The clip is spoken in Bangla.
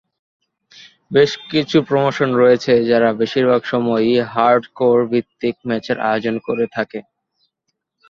বেশকিছু প্রমোশন রয়েছে যারা বেশিরভাগ সময়ই হার্ডকোর ভিত্তিক ম্যাচের আয়োজন করে থাকে।